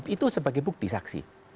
itu sebagai bukti saksi